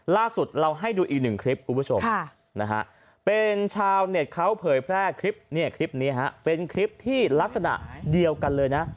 ล่าสุดเราให้ดูอีกหนึ่งคลิปคุณผู้ชมเป็นชาวเน็ตเขาเผยแพร่คลิปเนี่ยคลิปนี้ฮะเป็นคลิปที่ลักษณะเดียวกันเลยนะ